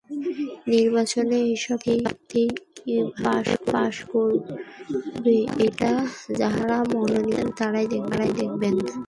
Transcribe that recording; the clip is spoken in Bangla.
নির্বাচনে এসব প্রার্থী কীভাবে পাস করবে, এটা যাঁরা মনোনয়ন দিয়েছেন তাঁরা দেখবেন।